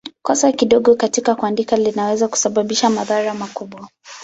Kosa dogo katika kuandika linaweza kusababisha madhara makubwa.